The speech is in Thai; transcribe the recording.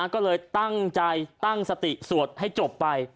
ก็เลยตั้งใจตั้งสติสวดให้จบไป